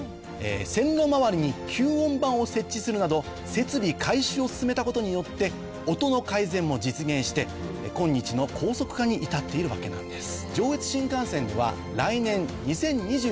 線路周りに吸音板を設置するなど設備改修を進めたことによって音の改善も実現して今日の高速化に至っているわけなんです。